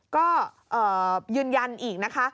ก็ยืนยันอีกนะคะ